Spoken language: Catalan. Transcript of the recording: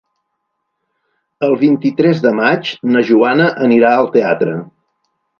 El vint-i-tres de maig na Joana anirà al teatre.